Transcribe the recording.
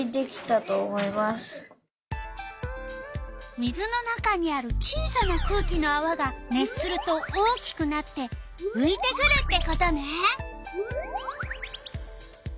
水の中にある小さな空気のあわが熱すると大きくなってういてくるってことね。